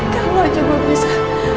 kalau aja lu bisa